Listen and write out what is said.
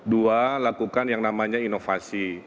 dua lakukan yang namanya inovasi